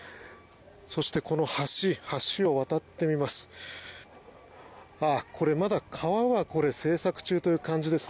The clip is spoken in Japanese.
そして、この橋を渡ってみます。